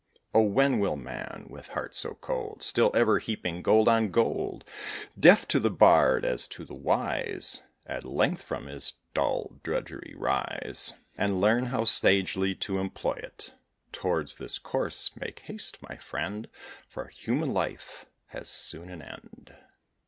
Oh, when will man, with heart so cold, Still ever heaping gold on gold, Deaf to the bard as to the wise, At length from his dull drudgery rise, And learn how sagely to employ it, Or know, in plain truth, to enjoy it? Towards this course make haste, my friend, For human life has soon an end.